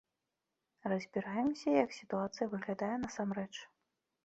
Разбіраемся, як сітуацыя выглядае насамрэч.